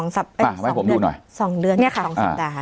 ๒สัปดาห์เอาให้ผมดูหน่อย๒เดือนนี่ค่ะ๒สัปดาห์ค่ะ